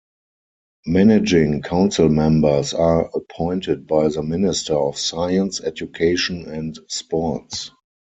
Managing Council members are appointed by the Minister of Science, Education and Sports.